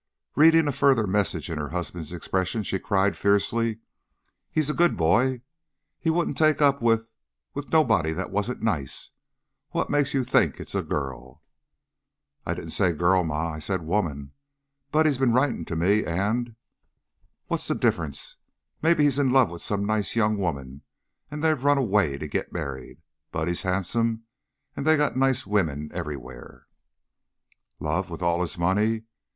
Reading a further message in her husband's expression, she cried, fiercely: "He's a good boy. He wouldn't take up with with nobody that wasn't nice. What makes you think it's a girl?" "I didn't say 'girl,' Ma, I said 'woman.' Buddy's been writin' to me and " "What's the difference? Mebbe he's in love with some nice young woman an' they've run away to git married. Buddy's han'some, and they got nice women everywhere " "Love? With all his money?